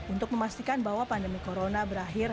untuk memastikan bahwa pandemi corona berakhir